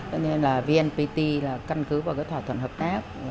cho nên là vnpt là căn cứ vào thỏa thuận hợp tác